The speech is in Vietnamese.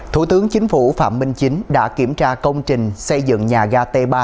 thủ tướng chính phủ phạm minh chính đã kiểm tra công trình xây dựng nhà ga t ba